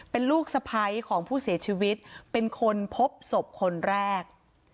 เป็นลูกสะพ้ายของผู้เสียชีวิตเป็นคนพบศพคนแรก